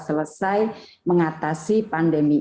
selesai mengatasi pandemi